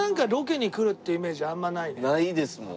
ないですもん。